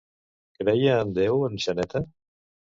Creia en Déu en Xaneta?